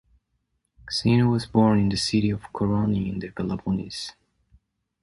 Xeno was born in the city of Koroni in the Peloponnese.